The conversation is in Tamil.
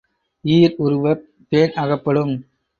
ஈர் உருவப் பேன் அகப்படும்.